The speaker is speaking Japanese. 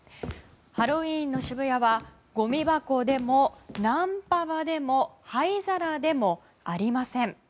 ハロウィーンの渋谷はごみ箱でもナンパ場でも灰皿でもありません。